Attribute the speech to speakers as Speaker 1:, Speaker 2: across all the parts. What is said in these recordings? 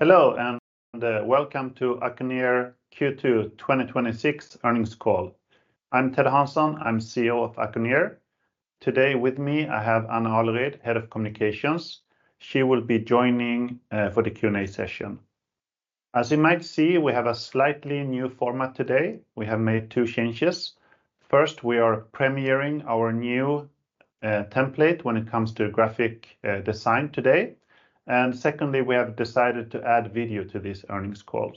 Speaker 1: Hello, welcome to Acconeer Q2 2026 earnings call. I'm Ted Hansson. I'm CEO of Acconeer. Today with me, I have Anna Aleryd, Head of Communications. She will be joining for the Q&A session. As you might see, we have a slightly new format today. We have made two changes. First, we are premiering our new template when it comes to graphic design today. Secondly, we have decided to add video to this earnings call.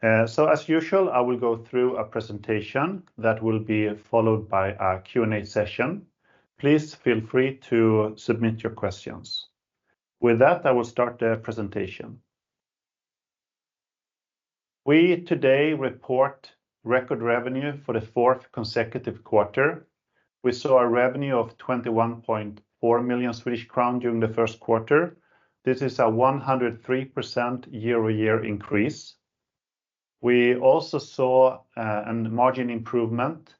Speaker 1: As usual, I will go through a presentation that will be followed by a Q&A session. Please feel free to submit your questions. With that, I will start the presentation. We today report record revenue for the fourth consecutive quarter. We saw a revenue of 21.4 million Swedish crown during the first quarter. This is a 103% year-over-year increase. We also saw a margin improvement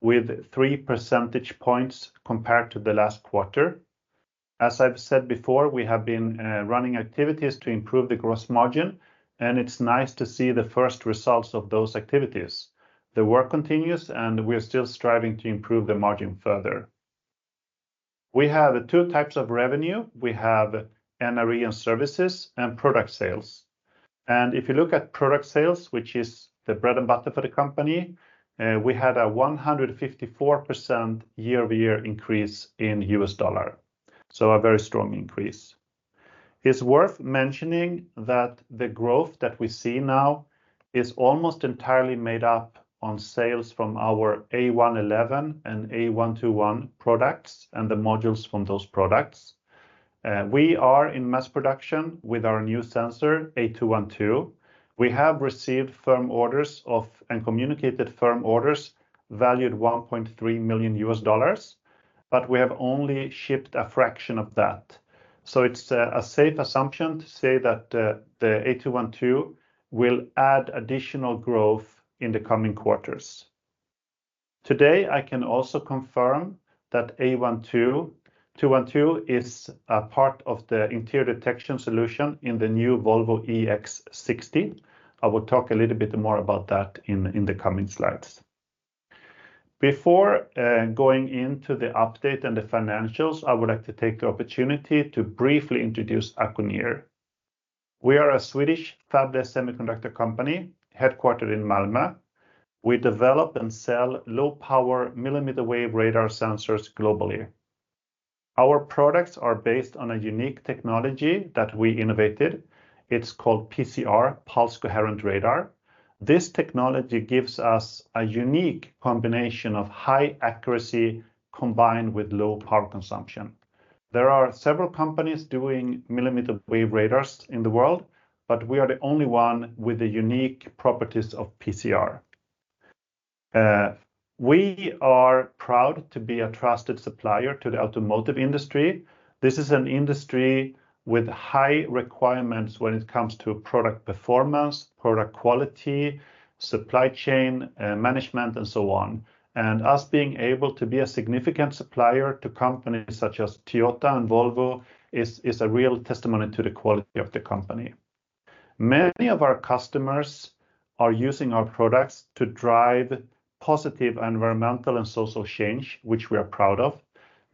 Speaker 1: with 3 percentage points compared to the last quarter. As I've said before, we have been running activities to improve the gross margin, and it's nice to see the first results of those activities. The work continues, we are still striving to improve the margin further. We have two types of revenue. We have NRE and services and product sales. If you look at product sales, which is the bread and butter for the company, we had a 154% year-over-year increase in US dollar, a very strong increase. It's worth mentioning that the growth that we see now is almost entirely made up on sales from our A111 and A121 products and the modules from those products. We are in mass production with our new sensor, A212. We have received firm orders and communicated firm orders valued $1.3 million, we have only shipped a fraction of that. It's a safe assumption to say that the A212 will add additional growth in the coming quarters. Today, I can also confirm that A212 is a part of the interior detection solution in the new Volvo EX60. I will talk a little bit more about that in the coming slides. Before going into the update and the financials, I would like to take the opportunity to briefly introduce Acconeer. We are a Swedish fabless semiconductor company headquartered in Malmö. We develop and sell low-power millimeter-wave radar sensors globally. Our products are based on a unique technology that we innovated. It's called PCR, pulsed coherent radar. This technology gives us a unique combination of high accuracy combined with low power consumption. There are several companies doing millimeter-wave radars in the world, we are the only one with the unique properties of PCR. We are proud to be a trusted supplier to the automotive industry. This is an industry with high requirements when it comes to product performance, product quality, supply chain management, and so on. Us being able to be a significant supplier to companies such as Toyota and Volvo is a real testimony to the quality of the company. Many of our customers are using our products to drive positive environmental and social change, which we are proud of.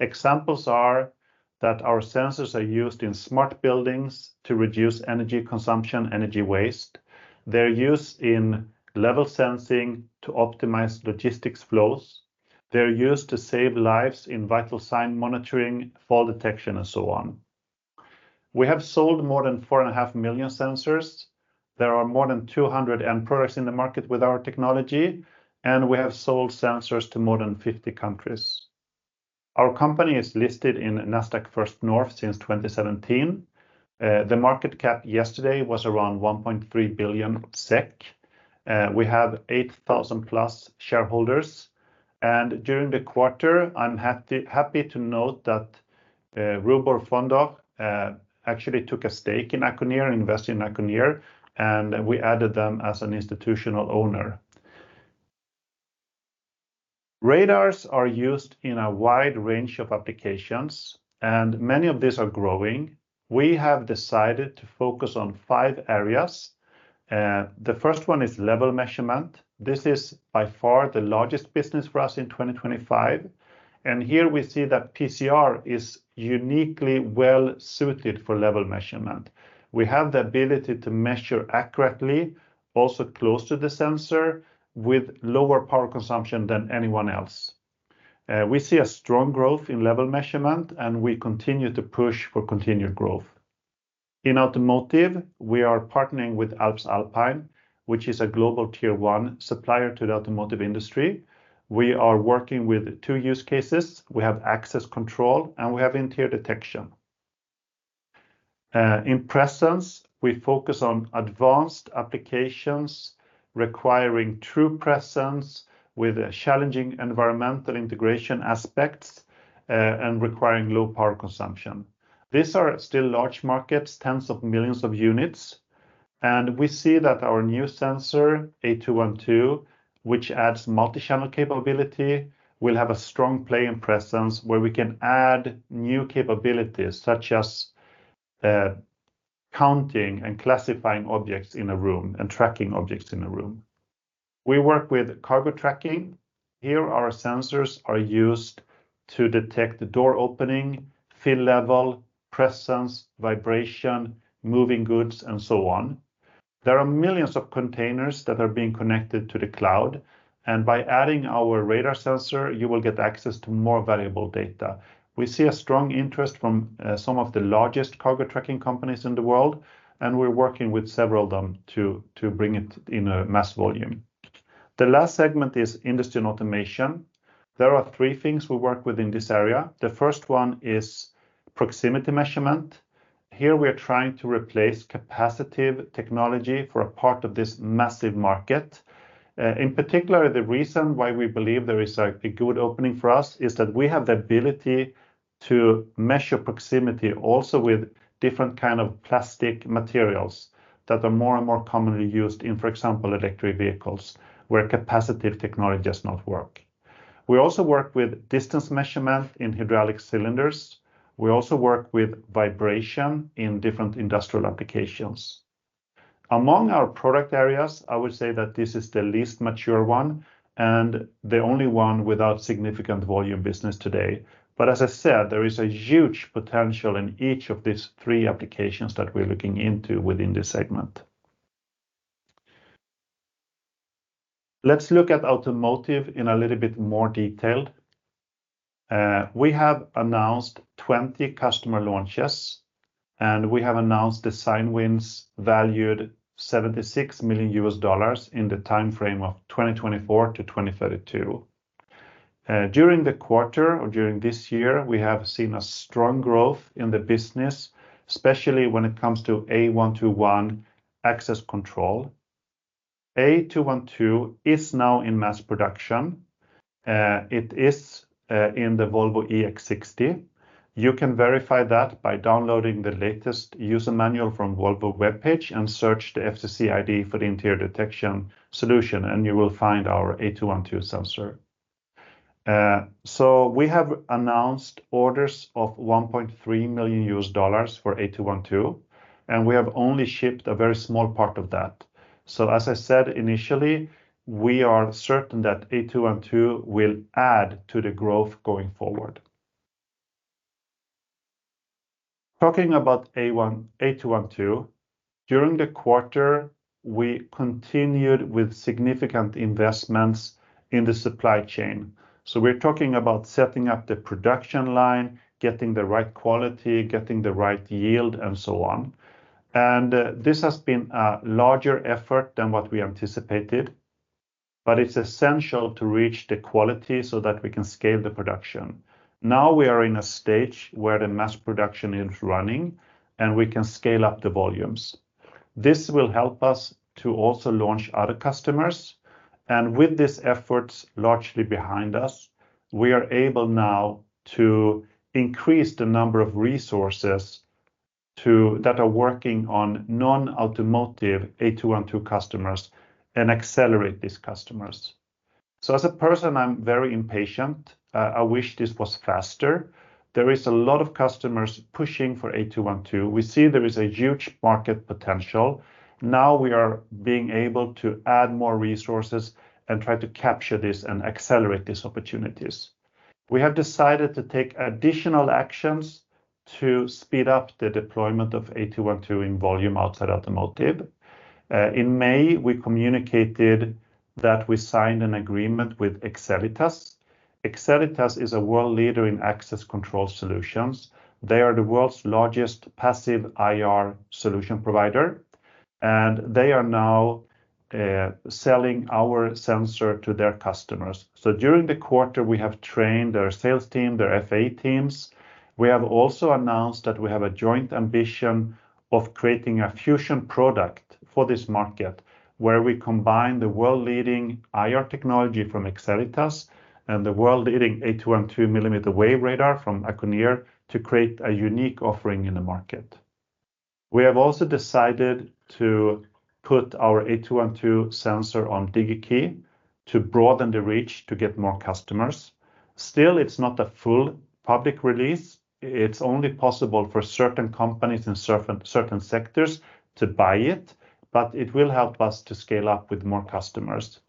Speaker 1: Examples are that our sensors are used in smart buildings to reduce energy consumption, energy waste. They're used in level sensing to optimize logistics flows. They're used to save lives in vital sign monitoring, fall detection, and so on. We have sold more than 4.5 million sensors. There are more than 200 end products in the market with our technology, and we have sold sensors to more than 50 countries. Our company is listed in Nasdaq First North since 2017. The market cap yesterday was around 1.3 billion SEK. We have 8,000+ shareholders. During the quarter, I'm happy to note that Robur Fonder actually took a stake in Acconeer, invested in Acconeer, and we added them as an institutional owner. Radars are used in a wide range of applications, and many of these are growing. We have decided to focus on five areas. The first one is level measurement. This is by far the largest business for us in 2025. Here we see that PCR is uniquely well-suited for level measurement. We have the ability to measure accurately, also close to the sensor, with lower power consumption than anyone else. We see a strong growth in level measurement, and we continue to push for continued growth. In automotive, we are partnering with Alps Alpine, which is a global Tier 1 supplier to the automotive industry. We are working with two use cases. We have access control, and we have interior detection. In presence, we focus on advanced applications requiring true presence with challenging environmental integration aspects, and requiring low power consumption. These are still large markets, tens of millions of units. We see that our new sensor, A212, which adds multi-channel capability, will have a strong play and presence where we can add new capabilities such as counting and classifying objects in a room, and tracking objects in a room. We work with cargo tracking. Here, our sensors are used to detect the door opening, fill level, presence, vibration, moving goods, and so on. There are millions of containers that are being connected to the cloud, and by adding our radar sensor, you will get access to more valuable data. We see a strong interest from some of the largest cargo tracking companies in the world, and we're working with several of them to bring it in a mass volume. The last segment is industry and automation. There are three things we work with in this area. The first one is proximity measurement. Here, we are trying to replace capacitive technology for a part of this massive market. In particular, the reason why we believe there is a good opening for us is that we have the ability to measure proximity also with different kind of plastic materials that are more and more commonly used in, for example, electric vehicles, where capacitive technology does not work. We also work with distance measurement in hydraulic cylinders. We also work with vibration in different industrial applications. Among our product areas, I would say that this is the least mature one, and the only one without significant volume business today. As I said, there is a huge potential in each of these three applications that we're looking into within this segment. Let's look at automotive in a little bit more detail. We have announced 20 customer launches, and we have announced design wins valued $76 million in the timeframe of 2024 to 2032. During the quarter or during this year, we have seen a strong growth in the business, especially when it comes to A212 access control. A212 is now in mass production. It is in the Volvo EX60. You can verify that by downloading the latest user manual from Volvo webpage and search the FCC ID for the interior detection solution, and you will find our A212 sensor. We have announced orders of $1.3 million for A212, and we have only shipped a very small part of that. As I said initially, we are certain that A212 will add to the growth going forward. Talking about A212, during the quarter, we continued with significant investments in the supply chain. We are talking about setting up the production line, getting the right quality, getting the right yield, and so on. This has been a larger effort than what we anticipated, but it's essential to reach the quality so that we can scale the production. We are in a stage where the mass production is running and we can scale up the volumes. This will help us to also launch other customers. With these efforts largely behind us, we are able now to increase the number of resources that are working on non-automotive A212 customers and accelerate these customers. As a person, I'm very impatient. I wish this was faster. There is a lot of customers pushing for A212. We see there is a huge market potential. We are being able to add more resources and try to capture this and accelerate these opportunities. We have decided to take additional actions to speed up the deployment of A212 in volume outside automotive. In May, we communicated that we signed an agreement with Excelitas. Excelitas is a world leader in access control solutions. They are the world's largest passive IR solution provider, and they are now selling our sensor to their customers. During the quarter, we have trained their sales team, their FAE teams. We have also announced that we have a joint ambition of creating a fusion product for this market, where we combine the world-leading IR technology from Excelitas and the world-leading A212 millimeter-wave radar from Acconeer to create a unique offering in the market. We have also decided to put our A212 sensor on DigiKey to broaden the reach to get more customers. Still, it's not a full public release. It's only possible for certain companies in certain sectors to buy it, but it will help us to scale up with more customers.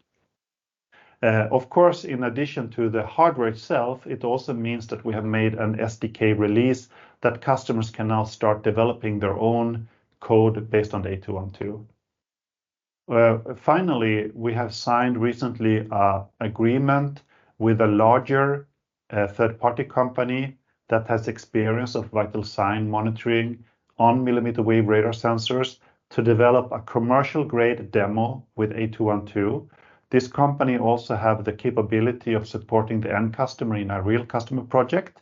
Speaker 1: Of course, in addition to the hardware itself, it also means that we have made an SDK release that customers can now start developing their own code based on A212. Finally, we have signed recently an agreement with a larger third-party company that has experience of vital sign monitoring on millimeter-wave radar sensors to develop a commercial-grade demo with A212. This company also have the capability of supporting the end customer in a real customer project.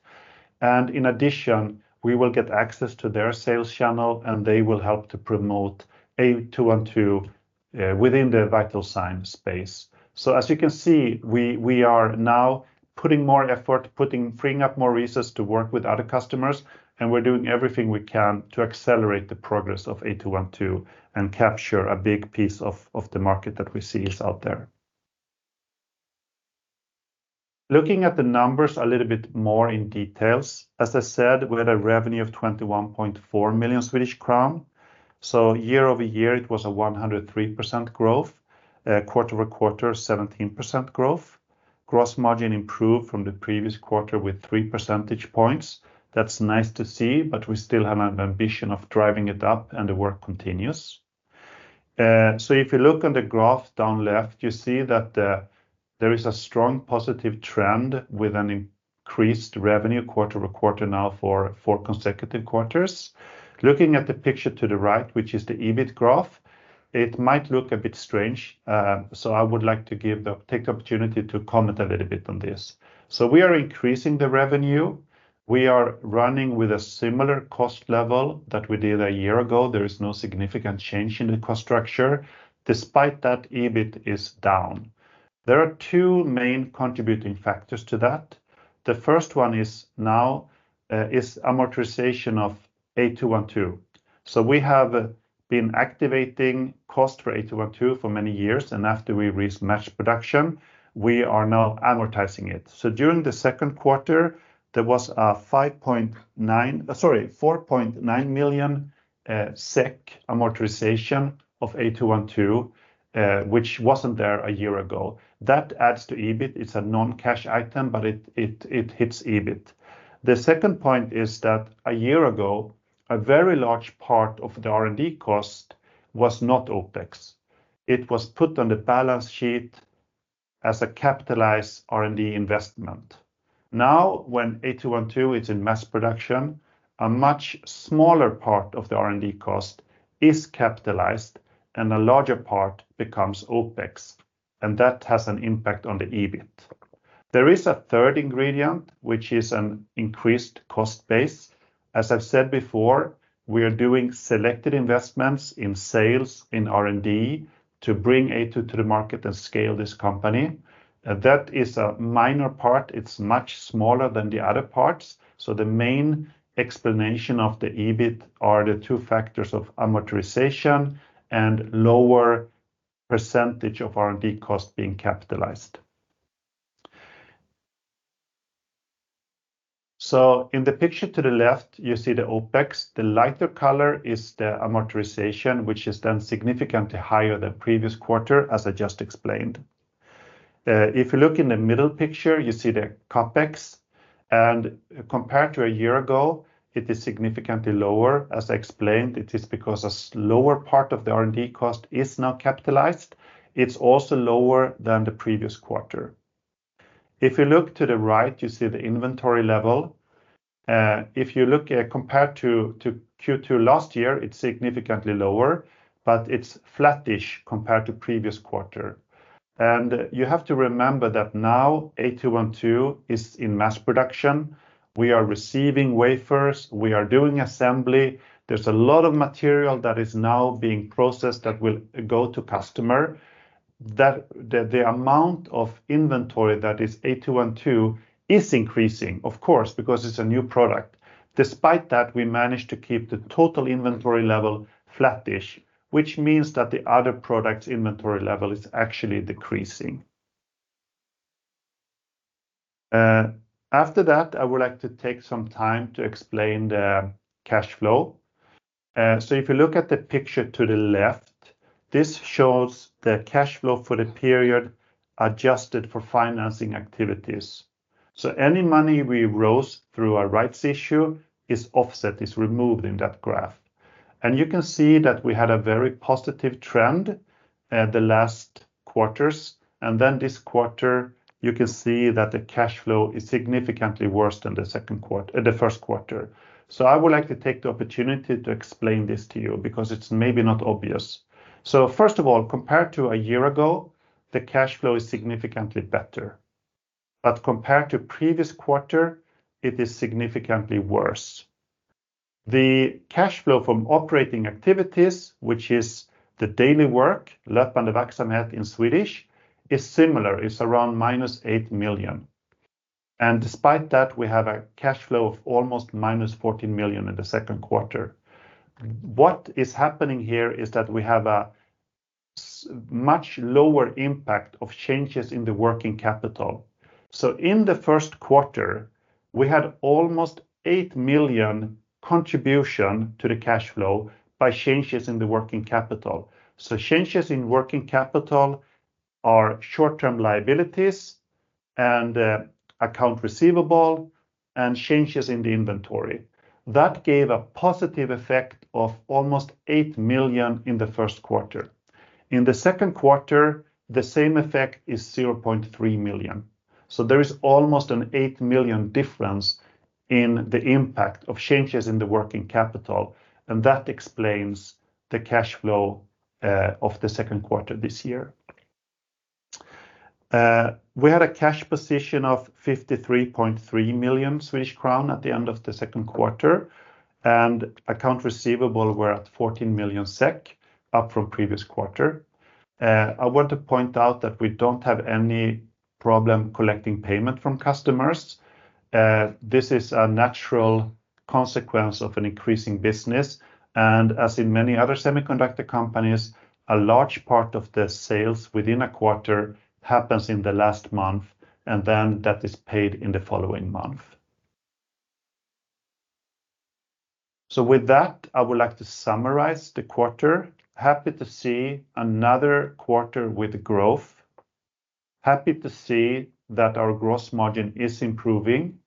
Speaker 1: In addition, we will get access to their sales channel, and they will help to promote A212 within the vital sign space. As you can see, we are now putting more effort, freeing up more resources to work with other customers, and we are doing everything we can to accelerate the progress of A212 and capture a big piece of the market that we see is out there. Looking at the numbers a little bit more in details, as I said, we had a revenue of 21.4 million Swedish crown. Year-over-year, it was a 103% growth. Quarter-over-quarter, 17% growth. Gross margin improved from the previous quarter with 3 percentage points. That's nice to see, but we still have an ambition of driving it up, and the work continues. If you look on the graph down left, you see that there is a strong positive trend with an increased revenue quarter-over-quarter now for four consecutive quarters. Looking at the picture to the right, which is the EBIT graph, it might look a bit strange. I would like to take the opportunity to comment a little bit on this. We are increasing the revenue. We are running with a similar cost level that we did a year ago. There is no significant change in the cost structure. Despite that, EBIT is down. There are two main contributing factors to that. The first one is amortization of A212. We have been activating cost for A212 for many years, and after we reached mass production, we are now amortizing it. During the second quarter, there was a 4.9 million SEK amortization of A212, which wasn't there a year ago. That adds to EBIT. It's a non-cash item, but it hits EBIT. The second point is that a year ago, a very large part of the R&D cost was not OpEx. It was put on the balance sheet as a capitalized R&D investment. Now, when A212 is in mass production, a much smaller part of the R&D cost is capitalized and a larger part becomes OpEx, and that has an impact on the EBIT. There is a third ingredient, which is an increased cost base. As I've said before, we are doing selected investments in sales in R&D to bring A2 to the market and scale this company. That is a minor part. It's much smaller than the other parts. The main explanation of the EBIT are the two factors of amortization and lower percentage of R&D cost being capitalized. In the picture to the left, you see the OpEx. The lighter color is the amortization, which is then significantly higher than previous quarter, as I just explained. If you look in the middle picture, you see the CapEx, and compared to a year ago, it is significantly lower. As I explained, it is because a lower part of the R&D cost is now capitalized. It's also lower than the previous quarter. If you look to the right, you see the inventory level. If you look at compared to Q2 last year, it's significantly lower, but it's flattish compared to previous quarter. You have to remember that now A212 is in mass production. We are receiving wafers. We are doing assembly. There's a lot of material that is now being processed that will go to customer. The amount of inventory that is A212 is increasing, of course, because it's a new product. Despite that, we managed to keep the total inventory level flattish, which means that the other product inventory level is actually decreasing. After that, I would like to take some time to explain the cash flow. If you look at the picture to the left, this shows the cash flow for the period adjusted for financing activities. Any money we rose through our rights issue is offset, is removed in that graph. You can see that we had a very positive trend the last quarters. This quarter, you can see that the cash flow is significantly worse than the first quarter. I would like to take the opportunity to explain this to you because it's maybe not obvious. First of all, compared to a year ago, the cash flow is significantly better. Compared to previous quarter, it is significantly worse. The cash flow from operating activities, which is the daily work, löpande verksamhet in Swedish, is similar, it's around -8 million. Despite that, we have a cash flow of almost -14 million in the second quarter. What is happening here is that we have a much lower impact of changes in the working capital. In the first quarter, we had almost 8 million contribution to the cash flow by changes in the working capital. Changes in working capital are short-term liabilities and account receivable and changes in the inventory. That gave a positive effect of almost 8 million in the first quarter. In the second quarter, the same effect is 0.3 million. There is almost an 8 million difference in the impact of changes in the working capital, and that explains the cash flow of the second quarter this year. We had a cash position of 53.3 million Swedish crown at the end of the second quarter, and account receivable were at 14 million SEK, up from previous quarter. I want to point out that we don't have any problem collecting payment from customers. This is a natural consequence of an increasing business. As in many other semiconductor companies, a large part of the sales within a quarter happens in the last month, and that is paid in the following month. With that, I would like to summarize the quarter. Happy to see another quarter with growth. Happy to see that our gross margin is improving.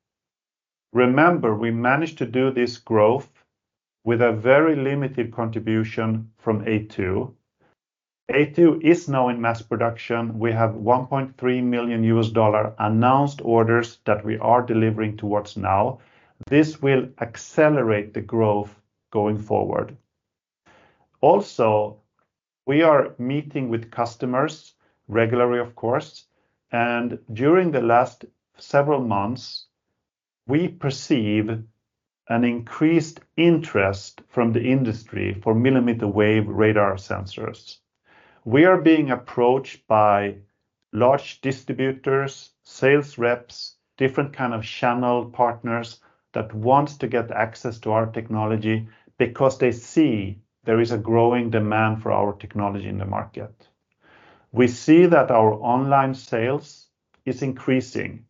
Speaker 1: Remember, we managed to do this growth with a very limited contribution from A2. A2 is now in mass production. We have $1.3 million announced orders that we are delivering towards now. This will accelerate the growth going forward. We are meeting with customers regularly, of course, and during the last several months, we perceive an increased interest from the industry for millimeter wave radar sensors. We are being approached by large distributors, sales reps, different kind of channel partners that wants to get access to our technology because they see there is a growing demand for our technology in the market. We see that our online sales is increasing.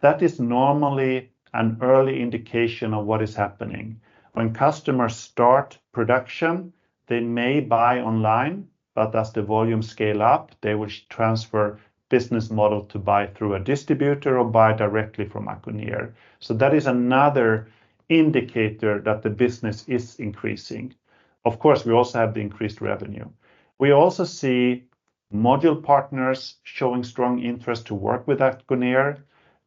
Speaker 1: That is normally an early indication of what is happening. When customers start production, they may buy online, as the volume scale up, they will transfer business model to buy through a distributor or buy directly from Acconeer. That is another indicator that the business is increasing. Of course, we also have the increased revenue. We also see module partners showing strong interest to work with Acconeer,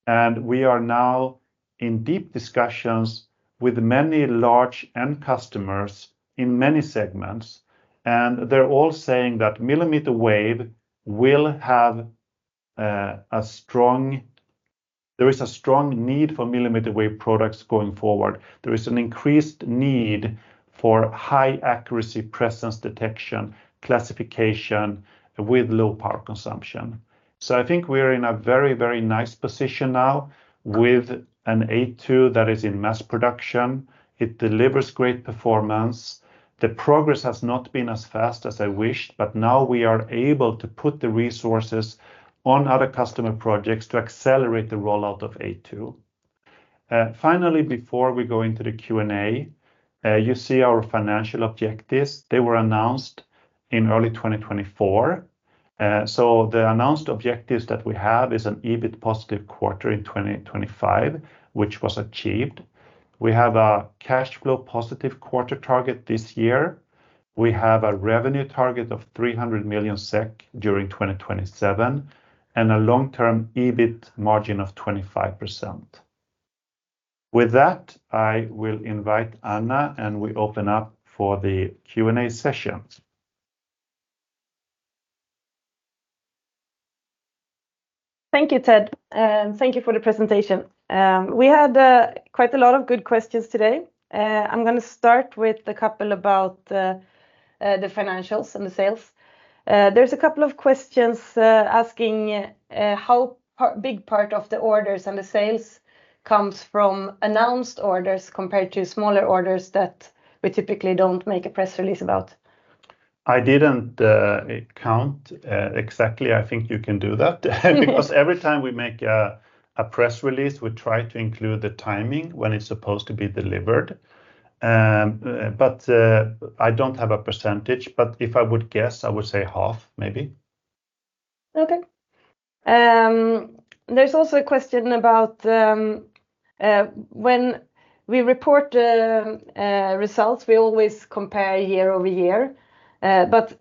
Speaker 1: and we are now in deep discussions with many large end customers in many segments, and they're all saying that there is a strong need for millimeter wave products going forward. There is an increased need for high accuracy presence detection, classification, with low power consumption. I think we are in a very nice position now with an A2 that is in mass production. It delivers great performance. The progress has not been as fast as I wished, but now we are able to put the resources on other customer projects to accelerate the rollout of A2. Finally, before we go into the Q&A, you see our financial objectives. They were announced in early 2024. The announced objectives that we have is an EBIT positive quarter in 2025, which was achieved. We have a cash flow positive quarter target this year. We have a revenue target of 300 million SEK during 2027 and a long-term EBIT margin of 25%. With that, I will invite Anna, and we open up for the Q&A session.
Speaker 2: Thank you, Ted. Thank you for the presentation. We had quite a lot of good questions today. I'm going to start with a couple about the financials and the sales. There's a couple of questions asking how big part of the orders and the sales comes from announced orders compared to smaller orders that we typically don't make a press release about.
Speaker 1: I didn't count exactly. I think you can do that because every time we make a press release, we try to include the timing when it's supposed to be delivered. I don't have a percentage, but if I would guess, I would say half, maybe.
Speaker 2: Okay. There's also a question about when we report results, we always compare year-over-year.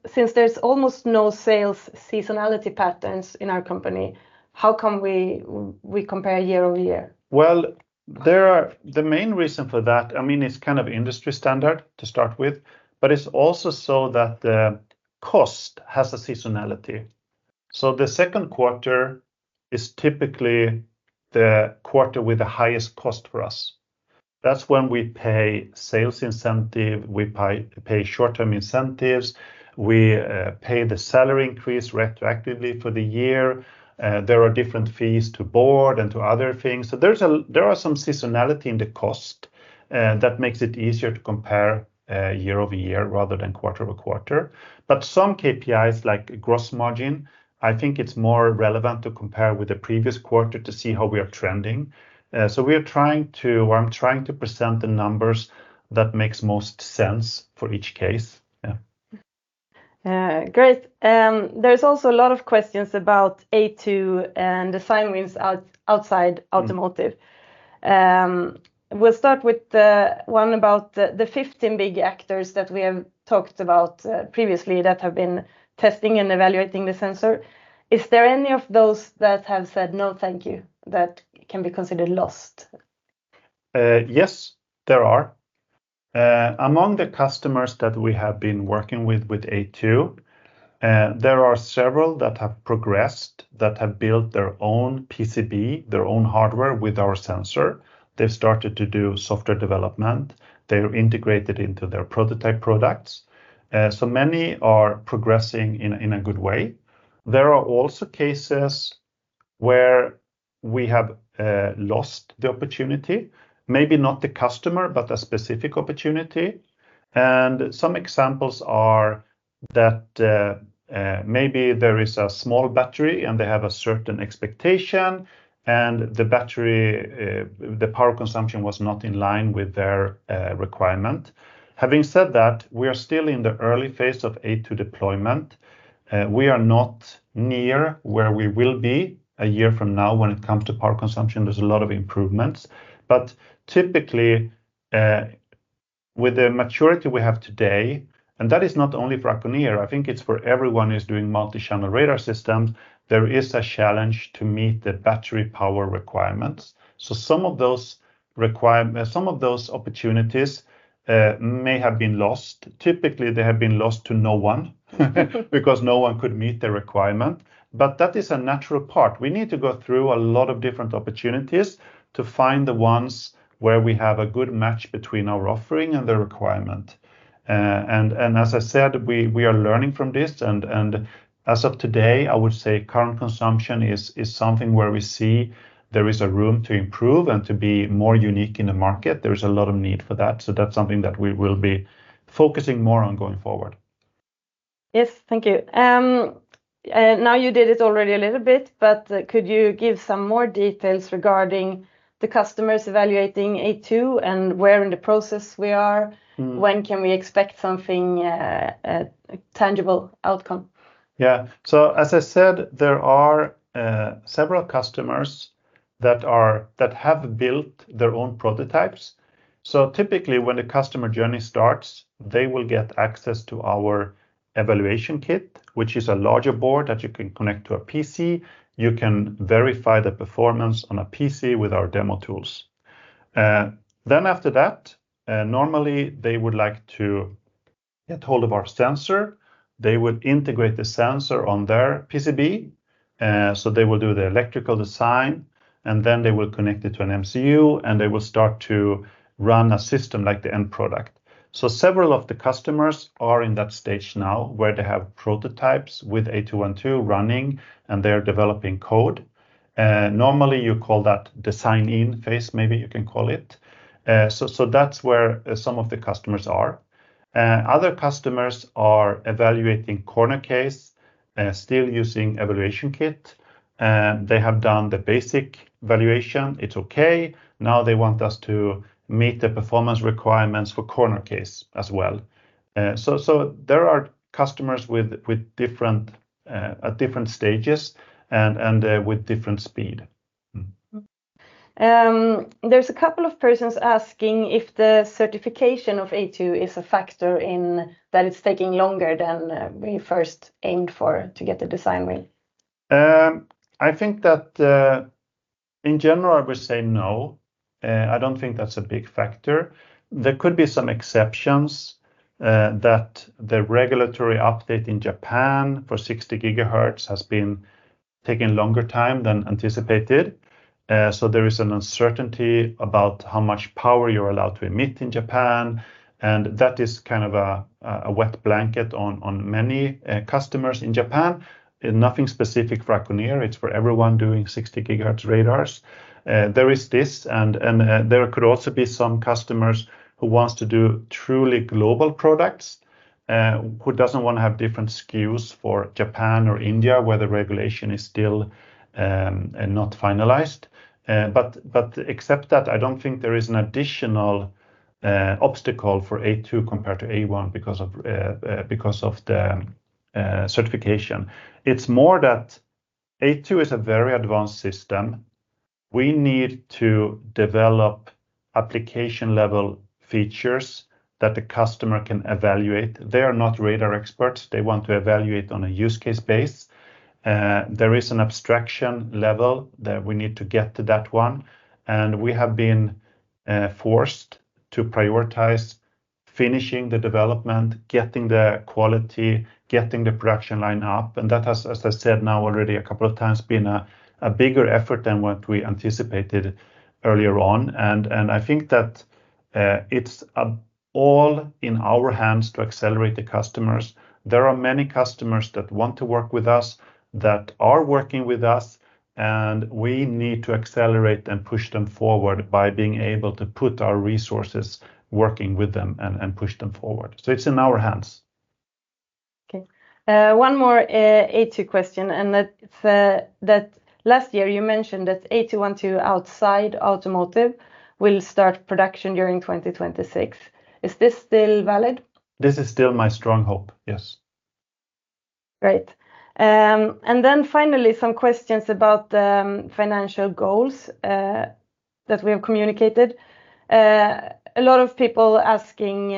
Speaker 2: Since there's almost no sales seasonality patterns in our company, how come we compare year-over-year?
Speaker 1: The main reason for that, it's kind of industry standard to start with, but it's also so that the cost has a seasonality. The second quarter is typically the quarter with the highest cost for us. That's when we pay sales incentive, we pay short-term incentives, we pay the salary increase retroactively for the year. There are different fees to board and to other things. There are some seasonality in the cost that makes it easier to compare year-over-year rather than quarter-over-quarter. Some KPIs like gross margin, I think it's more relevant to compare with the previous quarter to see how we are trending. I'm trying to present the numbers that makes most sense for each case. Yeah.
Speaker 2: Yeah. Great. There's also a lot of questions about A2 and the sign wins outside automotive. We'll start with the one about the 15 big actors that we have talked about previously that have been testing and evaluating the sensor. Is there any of those that have said, "No, thank you," that can be considered lost?
Speaker 1: Yes, there are. Among the customers that we have been working with A2, there are several that have progressed, that have built their own PCB, their own hardware with our sensor. They've started to do software development. They're integrated into their prototype products. Many are progressing in a good way. There are also cases where we have lost the opportunity, maybe not the customer, but a specific opportunity. Some examples are that maybe there is a small battery and they have a certain expectation, and the power consumption was not in line with their requirement. Having said that, we are still in the early phase of A2 deployment. We are not near where we will be a year from now when it comes to power consumption. There's a lot of improvements, typically, with the maturity we have today, and that is not only for Acconeer, I think it's for everyone who's doing multi-channel radar systems, there is a challenge to meet the battery power requirements. Some of those opportunities may have been lost. Typically, they have been lost to no one because no one could meet the requirement. That is a natural part. We need to go through a lot of different opportunities to find the ones where we have a good match between our offering and the requirement. As I said, we are learning from this, and as of today, I would say current consumption is something where we see there is a room to improve and to be more unique in the market. There is a lot of need for that. That's something that we will be focusing more on going forward.
Speaker 2: Yes. Thank you. You did it already a little bit, but could you give some more details regarding the customers evaluating A2 and where in the process we are? When can we expect something, a tangible outcome?
Speaker 1: As I said, there are several customers that have built their own prototypes. Typically, when the customer journey starts, they will get access to our evaluation kit, which is a larger board that you can connect to a PC. You can verify the performance on a PC with our demo tools. After that, normally, they would like to get hold of our sensor. They would integrate the sensor on their PCB. They will do the electrical design, and then they will connect it to an MCU, and they will start to run a system like the end product. Several of the customers are in that stage now where they have prototypes with A212 running, and they're developing code. Normally, you call that design in phase, maybe you can call it. That's where some of the customers are. Other customers are evaluating corner case, still using evaluation kit. They have done the basic evaluation, it's okay. Now they want us to meet the performance requirements for corner case as well. There are customers at different stages and with different speed.
Speaker 2: There's a couple of persons asking if the certification of A2 is a factor in that it's taking longer than we first aimed for to get the design win.
Speaker 1: I think that in general, I would say no. I don't think that's a big factor. There could be some exceptions, that the regulatory update in Japan for 60 GHz has been taking longer time than anticipated. There is an uncertainty about how much power you're allowed to emit in Japan, and that is a wet blanket on many customers in Japan. Nothing specific for Acconeer. It's for everyone doing 60 GHz radars. There is this, there could also be some customers who wants to do truly global products, who doesn't want to have different SKUs for Japan or India, where the regulation is still not finalized. Except that, I don't think there is an additional obstacle for A2 compared to A1 because of the certification. It's more that A2 is a very advanced system. We need to develop application-level features that the customer can evaluate. They are not radar experts. They want to evaluate on a use case base. There is an abstraction level that we need to get to that one, we have been forced to prioritize finishing the development, getting the quality, getting the production line up, and that has, as I said now already a couple of times, been a bigger effort than what we anticipated earlier on. I think that it's all in our hands to accelerate the customers. There are many customers that want to work with us, that are working with us, and we need to accelerate and push them forward by being able to put our resources working with them and push them forward. It's in our hands.
Speaker 2: Okay. One more A2 question, that last year you mentioned that A212 outside automotive will start production during 2026. Is this still valid?
Speaker 1: This is still my strong hope. Yes.
Speaker 2: Great. Finally, some questions about the financial goals that we have communicated. A lot of people asking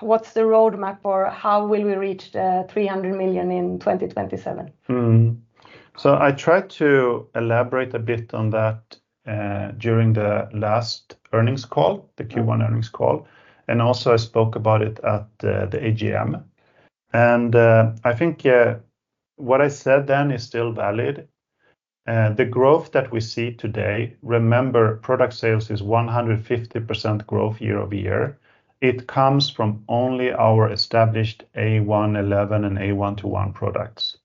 Speaker 2: what's the roadmap or how will we reach the 300 million in 2027?
Speaker 1: I tried to elaborate a bit on that during the last earnings call, the Q1 earnings call, also I spoke about it at the AGM. I think what I said then is still valid. The growth that we see today, remember, product sales is 150% growth year-over-year. It comes from only our established A111 and A121 products.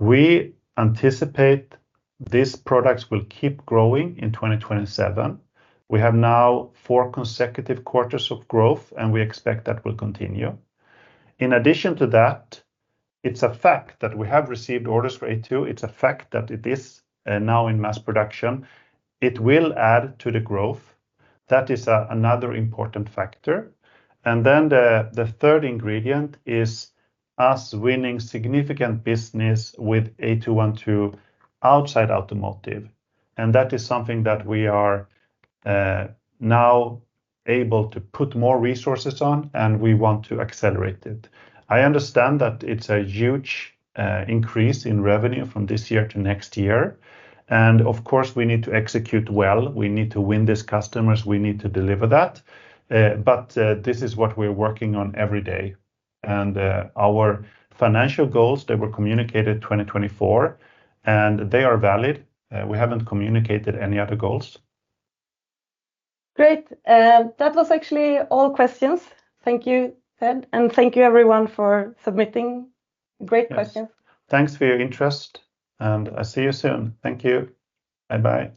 Speaker 1: We anticipate these products will keep growing in 2027. We have now four consecutive quarters of growth, we expect that will continue. In addition to that, it's a fact that we have received orders for A2. It's a fact that it is now in mass production. It will add to the growth. That is another important factor. The third ingredient is us winning significant business with A212 outside automotive, that is something that we are now able to put more resources on, we want to accelerate it. I understand that it's a huge increase in revenue from this year to next year, of course, we need to execute well. We need to win these customers. We need to deliver that. This is what we're working on every day. Our financial goals, they were communicated 2024, they are valid. We haven't communicated any other goals.
Speaker 2: Great. That was actually all questions. Thank you, Ted, and thank you everyone for submitting. Great questions.
Speaker 1: Yes. Thanks for your interest, and I'll see you soon. Thank you. Bye-bye.